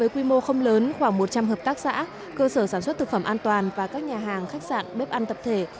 quy mô không lớn khoảng một trăm linh hợp tác xã cơ sở sản xuất thực phẩm an toàn và các nhà hàng khách sạn bếp ăn tập thể